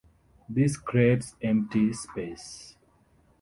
This creates empty space.